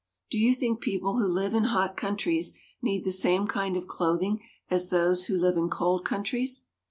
Do you think people who live in hot countries need the same kind of clothing as those who live in cold countries?